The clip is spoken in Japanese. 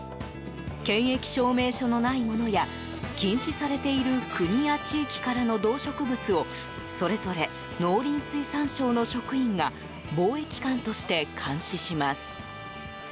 検疫証明書のないものや禁止されている国や地域からの動植物をそれぞれ、農林水産省の職員が防疫官として監視します。